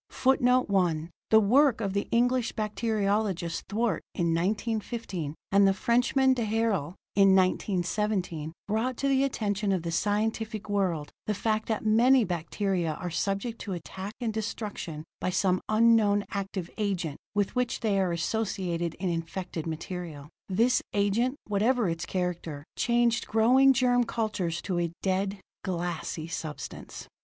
[Footnote 1: The work of the English bacteriologist Twort, in 1915, and the Frenchman, d'Herelle, in 1917, brought to the attention of the scientific world the fact that many bacteria are subject to attack and destruction by some unknown active agent with which they are associated in infected material. This agent, whatever its character, changed growing germ cultures to a dead, glassy substance.